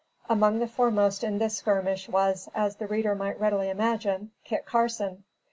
Among the foremost in this skirmish was, as the reader might readily imagine, Kit Carson.